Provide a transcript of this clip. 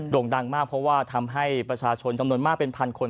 ่งดังมากเพราะว่าทำให้ประชาชนจำนวนมากเป็นพันคน